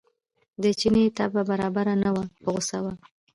د چیني طبع برابره نه وه په غوسه و.